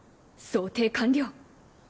想定完了。